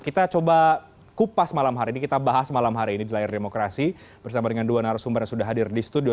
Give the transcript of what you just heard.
kita coba kupas malam hari ini kita bahas malam hari ini di layar demokrasi bersama dengan dua narasumber yang sudah hadir di studio